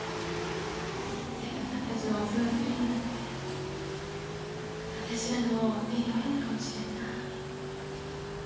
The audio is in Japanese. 生徒さんたちのお世話するやなんて私らの手に負えんのかもしれんな。